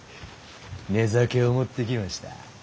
寝酒を持ってきました。